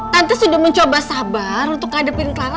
tante sudah mencoba sabar untuk ngadepin kelapa